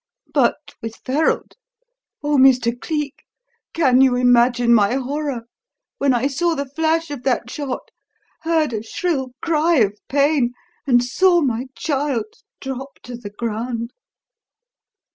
But, with Ferralt Oh, Mr. Cleek, can you imagine my horror when I saw the flash of that shot, heard a shrill cry of pain, and saw my child drop to the ground?"